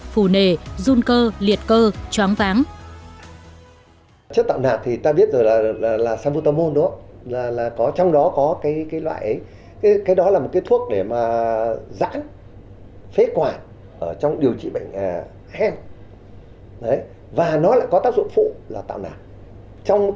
phù nề run cơ liệt cơ chóng váng